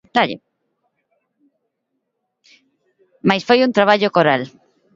Mais foi un traballo coral.